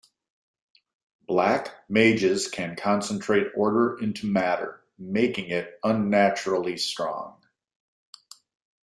Black mages can concentrate order into matter, making it unnaturally strong.